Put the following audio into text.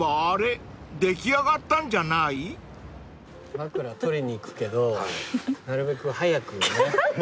今から取りに行くけどなるべく早くね。